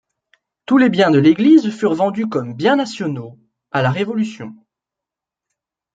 Tous les biens de l'église furent vendus comme biens nationaux, à la Révolution.